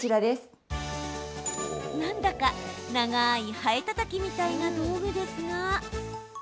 何だか長いハエたたきみたいな道具ですが。